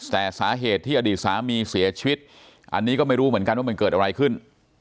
แต่สาเหตุที่อดีตสามีเสียชีวิตอันนี้ก็ไม่รู้เหมือนกันว่ามันเกิดอะไรขึ้น